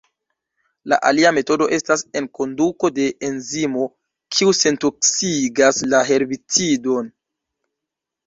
La alia metodo estas enkonduko de enzimo, kiu sentoksigas la herbicidon.